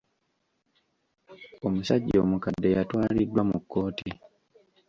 Omusajja omukadde yatwaliddwa mu kkooti.